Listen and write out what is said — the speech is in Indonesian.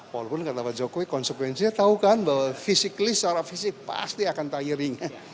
walaupun kata pak jokowi konsekuensinya tahu kan bahwa fisikly secara fisik pasti akan tyering